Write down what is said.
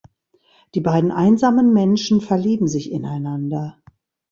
Die beiden einsamen Menschen verlieben sich ineinander.